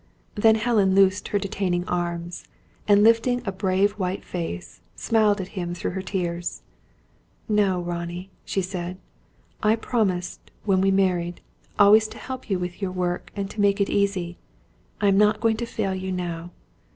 Then Helen loosed her detaining arms, and lifting a brave white face, smiled at him through her tears. "No, Ronnie," she said. "I promised, when we married, always to help you with your work and to make it easy. I am not going to fail you now.